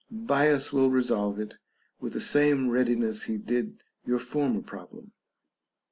Bias will resolve it with the same readiness he did your former problem.